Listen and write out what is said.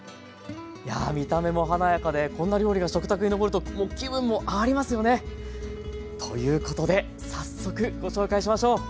いや見た目も華やかでこんな料理が食卓に上ると気分も上がりますよね！ということで早速ご紹介しましょう。